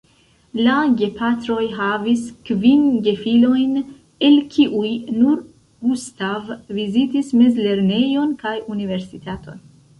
La gepatroj havis kvin gefilojn, el kiuj nur Gustav vizitis mezlernejon kaj Universitaton.